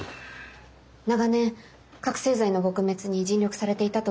長年覚醒剤の撲滅に尽力されていたと伺っています。